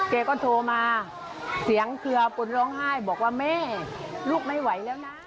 แกก็โทรมาเสียงเกลือปนร้องไห้บอกว่าแม่ลูกไม่ไหวแล้วนะ